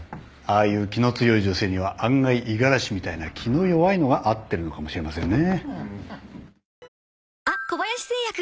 ああいう気の強い女性には案外五十嵐みたいな気の弱いのが合ってるのかもしれませんね。